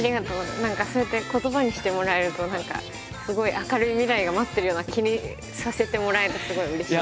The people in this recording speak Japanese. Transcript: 何かそうやって言葉にしてもらえると何かすごい明るい未来が待ってるような気にさせてもらえてすごいうれしい。